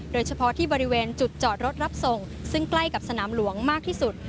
โดยเฉพาะที่บริเวณจุดจอดรถรับส่งซึ่งใกล้กับสนามหลวงมากที่สุด